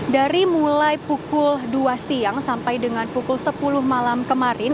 dari mulai pukul dua siang sampai dengan pukul sepuluh malam kemarin